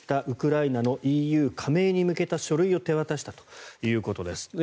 ウクライナのＥＵ加盟に向けた書類を手渡したということです。